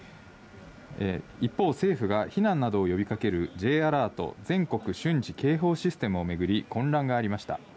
一方、政府が避難などを呼びかけるＪアラート・全国瞬時警報システムを巡り、混乱がありました。